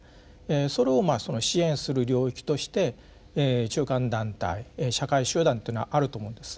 それを支援する領域として中間団体社会集団というのはあると思うんです。